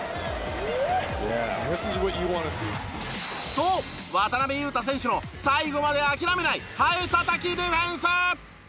そう渡邊雄太選手の最後まで諦めないハエたたきディフェンス！